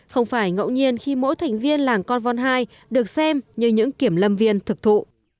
không phải ngẫu nhiên khi mỗi thành viên làng con vòn hai được xem như những kiểm lâm viên thực thụ